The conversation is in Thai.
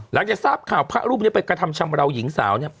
หลังจากทราบข่าวพระรูปนี้ไปกระทำชำราวหญิงสาว